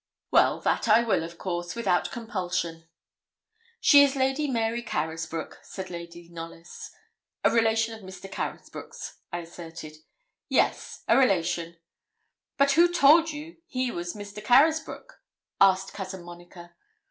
'Well, that I will, of course, without compulsion. She is Lady Mary Carysbroke,' said Lady Knollys. 'A relation of Mr. Carysbroke's,' I asserted. 'Yes, a relation; but who told you he was Mr. Carysbroke?' asked Cousin Monica.